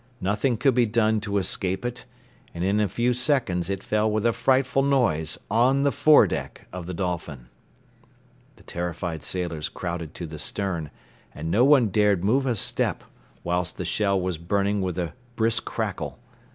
Nothing could be done to escape it, and in a few seconds it fell with a frightful noise on the fore deck of the Dolphin. The terrified sailors crowded to the stern, and no one dared move a step, whilst the shell was burning with a brisk crackle.